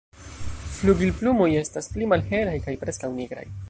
Flugilplumoj estas pli malhelaj kaj preskaŭ nigraj.